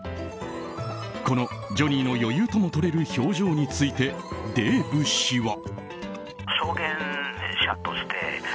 このジョニーの余裕ともとれる表情についてデーブ氏は。